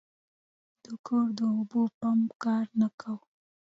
د کور د اوبو پمپ کار نه کاوه.